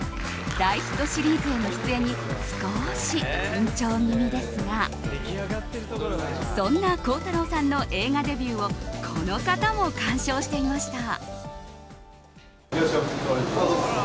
大ヒットシリーズへの出演に少し緊張気味ですがそんな孝太郎さんの映画デビューをこの方も鑑賞していました。